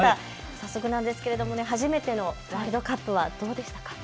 早速なんですが初めてのワールドカップはどうでしたか。